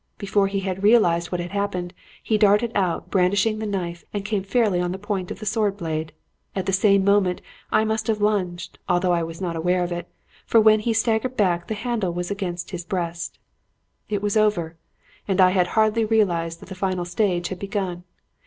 Before he had realized what had happened, he darted out, brandishing the knife, and came fairly on the point of the sword blade. At the same moment I must have lunged, though I was not aware of it, for when he staggered back the handle was against his breast. "It was over, and I had hardly realized that the final stage had begun.